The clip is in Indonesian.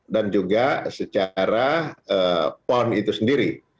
juga secara pon itu sendiri